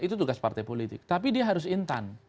itu tugas partai politik tapi diharus intan